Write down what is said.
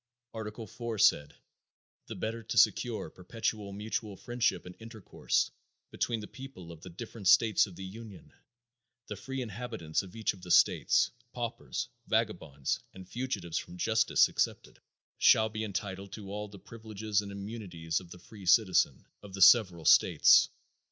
Article 4 said: 'The better to secure and perpetuate mutual friendship and intercourse between the people of the different States of the Union, the free inhabitants of each of the States (paupers, vagabonds and fugitives from justice excepted) shall be entitled to all the privileges and immunities of the free citizen, of the several States.'